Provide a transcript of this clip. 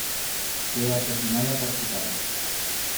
Fue asesinada por su padre.